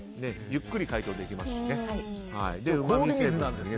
ゆっくり解凍できますしね。